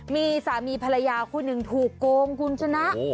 มีสามีภรรยาคู่หนึ่งถูกโกงคุณชนะ